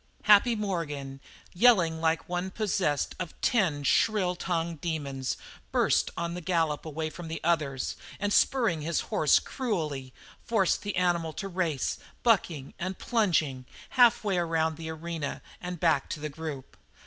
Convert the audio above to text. Happy Morgan, yelling like one possessed of ten shrill tongued demons, burst on the gallop away from the others, and spurring his horse cruelly, forced the animal to race, bucking and plunging, half way around the arena and back to the group.